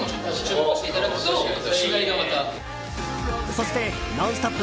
そして、「ノンストップ！」